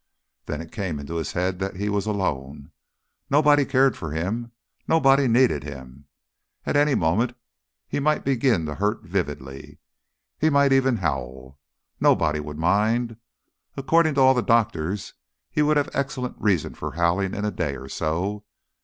Then it came into his head that he was alone. Nobody cared for him, nobody needed him! at any moment he might begin to hurt vividly. He might even howl. Nobody would mind. According to all the doctors he would have excellent reason for howling in a day or so.